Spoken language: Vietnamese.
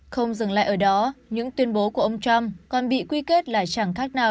không dừng lại ở đó những tuyên bố của ông trump còn bị quy kết là chẳng khác nào